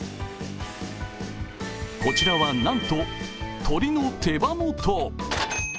こちらはなんと、鶏の手羽元。